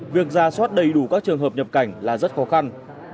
việc ra soát đầy đủ các trường hợp nhập cảnh là rất khó khăn